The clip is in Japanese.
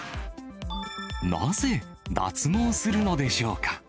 なぜ脱毛するのでしょうか。